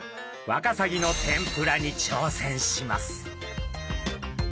ワカサギの天ぷらに挑戦します。